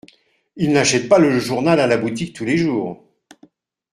Ils n’achètent pas le journal à la boutique tous les jours.